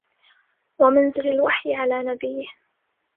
ومنزل الوحي على نبيه